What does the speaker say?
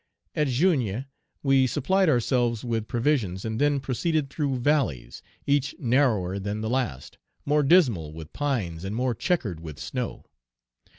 At Jougne we supplied ourselves with provisions, and then proceeded through valleys, each narrower than the last, more dismal with pines, and more checkered with snow.